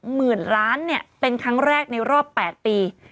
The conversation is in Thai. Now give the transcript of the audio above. หมื่นล้านเนี่ยเป็นครั้งแรกในรอบ๘ปี